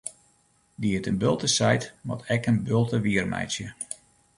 Dy't in bulte seit, moat ek in bulte wiermeitsje.